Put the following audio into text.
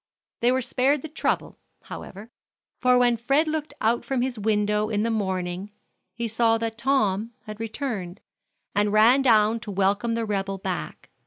They were spared the trouble, however, for when Fred looked from his window in the morning he saw that Tom had returned, and ran down to welcome the rebel back.